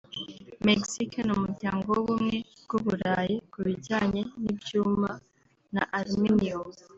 Mexique n’Umuryango w’Ubumwe bw’u Burayi ku bijyanye n’ibyuma na aluminum